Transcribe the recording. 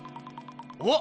おっ！